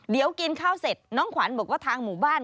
เดี๋ยวกินข้าวเสร็จน้องขวัญบอกว่าทางหมู่บ้าน